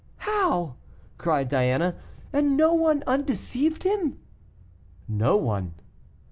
"How!" cried Diana; "and no one undeceived him?" "No one."